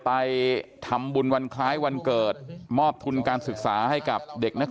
ไปทำบุญวันคล้ายวันเกิดมอบทุนการศึกษาให้กับเด็กนักเรียน